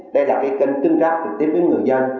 đây là cái kênh tương tác trực tiếp với người dân